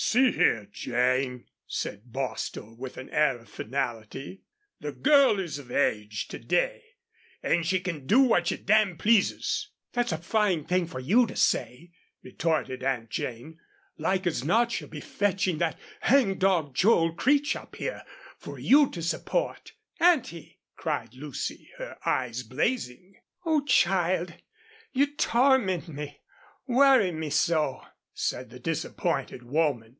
"See here, Jane," said Bostil, with an air of finality, "the girl is of age to day an' she can do what she damn pleases!" "That's a fine thing for you to say," retorted Aunt Jane. "Like as not she'll be fetching that hang dog Joel Creech up here for you to support." "Auntie!" cried Lucy, her eyes blazing. "Oh, child, you torment me worry me so," said the disappointed woman.